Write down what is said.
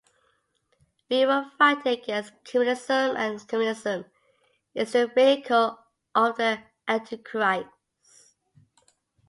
We were fighting against communism, and communism is the vehicle of the Antichrist.